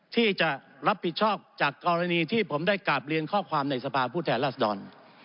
ที่จะรับผิดชอบจากกรณีที่ผมได้กราบเรียนข้อความในสภาพผู้แทนราษดร